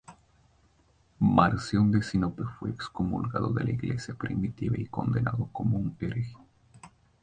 Marción de Sinope fue excomulgado de la Iglesia primitiva y condenado como un hereje.